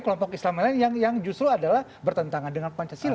kelompok islam lain yang justru adalah bertentangan dengan pancasila